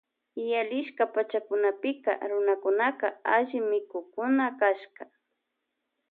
Yalisha pachakunapika runakunaka alli mikukkuna kashka.